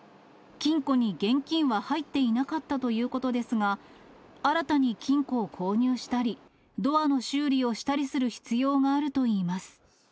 金庫に現金は入っていなかったということですが、新たに金庫を購入したり、ドアの修理をしたりする必要があるといいます。